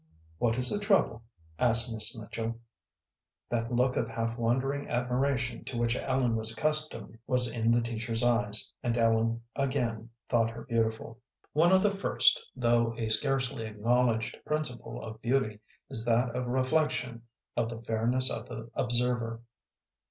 "What is the trouble?" asked Miss Mitchell. That look of half wondering admiration to which Ellen was accustomed was in the teacher's eyes, and Ellen again thought her beautiful. One of the first, though a scarcely acknowledged principle of beauty, is that of reflection of the fairness of the observer.